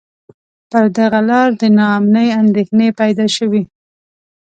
پر دغه لار د نا امنۍ اندېښنې پیدا شوې.